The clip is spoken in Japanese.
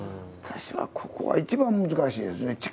私はここは一番難しいですね。